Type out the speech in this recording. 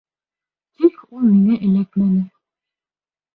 Тик ул миңә эләкмәне.